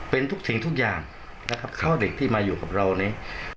เป็นทุกสิ่งทุกอย่างนะครับเข้าเด็กที่มาอยู่กับเรานี้